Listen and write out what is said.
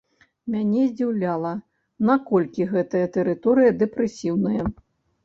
Мяне здзіўляла, наколькі гэтая тэрыторыя дэпрэсіўная.